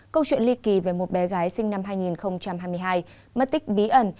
câu chuyện ly kỳ về một bé gái sinh năm hai nghìn hai mươi hai mất tích bí ẩn